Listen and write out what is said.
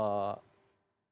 kita bisa mengatakan bahwa